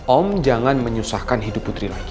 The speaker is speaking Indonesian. om jangan menyusahkan hidup putri lagi